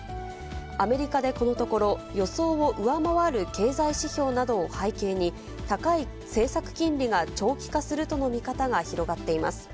アメリカでこのところ、予想を上回る経済指標などを背景に、高い政策金利が長期化するとの見方が広がっています。